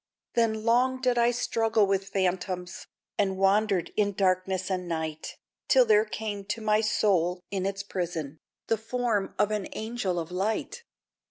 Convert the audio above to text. Then long did I struggle with phantoms, And wandered in darkness and night, Till there came to my soul, in its prison, The form of an Angel of Light.